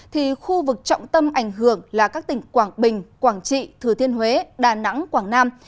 thì khu vực trọng tâm ảnh hưởng là các tỉnh quảng bình quảng trị thừa thiên huế đà nẵng quảng nam